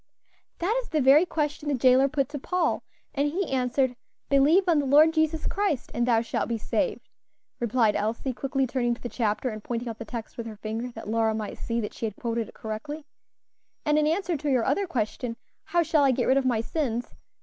"That is the very question the jailer put to Paul, and he answered, 'Believe on the Lord Jesus Christ, and thou shalt be saved,'" replied Elsie, quickly turning to the chapter and pointing out the text with her finger, that Lora might see that she had quoted it correctly. "And in answer to your other question, 'How shall I get rid of my sins?'